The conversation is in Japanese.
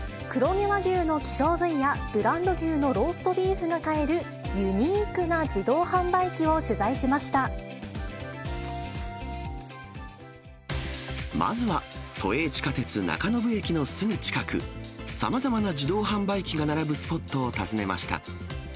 黒毛和牛の希少部位や、ブランド牛のローストビーフが買えるユニークな自動販売機を取材まずは、都営地下鉄中延駅のすぐ近く、さまざまな自動販売機が並ぶスポットを訪ねました。